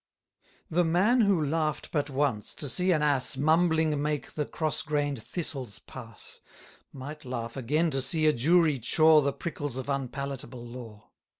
The man who laugh'd but once, to see an ass Mumbling make the cross grain'd thistles pass, Might laugh again to see a jury chaw The prickles of unpalatable law.